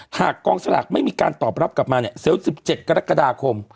หากกองสลักไม่มีการตอบรับกลับมาเศรษฐ์๑๗กรกฎาคม